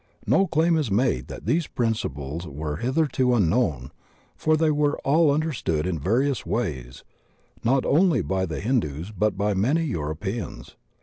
No claim is made that these principles were hitherto unknown, for they were all understood in various ways not only by the Hindus but by many Europeans.